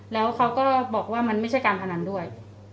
แล้วเขาก็บอกว่ามันไม่ใช่การพนันด้วย